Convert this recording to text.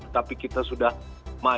tapi kita sudah melakukan